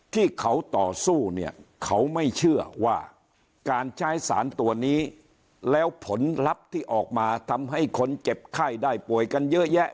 ที่เขาต่อสู้เนี่ยเขาไม่เชื่อว่าการใช้สารตัวนี้แล้วผลลัพธ์ที่ออกมาทำให้คนเจ็บไข้ได้ป่วยกันเยอะแยะ